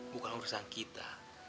bukan urusan kita